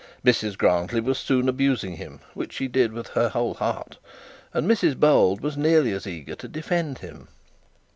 Mrs Grantly was soon abusing him, which she did with her whole heart; and Mrs Bold was nearly as eager to defend him.